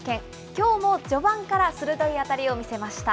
きょうも序盤から鋭い当たりを見せました。